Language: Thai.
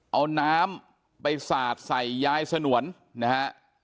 เอาน้ำไปสาดใส่ยายสนวนนะฮะ